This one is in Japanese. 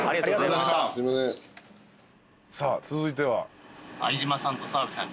さあ続いては。